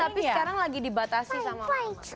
tapi sekarang lagi dibatasi sama hoax